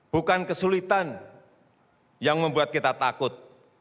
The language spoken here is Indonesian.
bukan kesulitan yang membuat kita takut